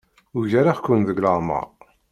Ugareɣ-ken deg leɛmeṛ.